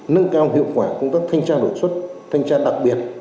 nâng cao hiệu quả công tác thanh tra đột xuất thanh tra đặc biệt